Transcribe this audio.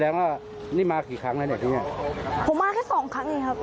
ว่านี่มากี่ครั้งแล้วเนี่ยที่เนี้ยผมมาแค่สองครั้งเองครับ